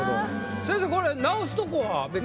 先生これ直すとこは別に。